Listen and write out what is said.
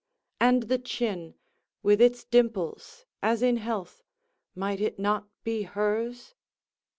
And the chin, with its dimples, as in health, might it not be hers?